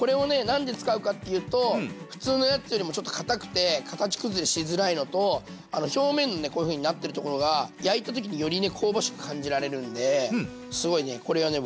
何で使うかっていうと普通のやつよりもちょっとかたくて形崩れしづらいのと表面のねこういうふうになってるところが焼いた時により香ばしく感じられるんですごいねこれはね